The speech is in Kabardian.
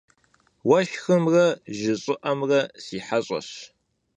Уэшхымрэ жьы щӏыӏэмрэ си хьэщӏэщ.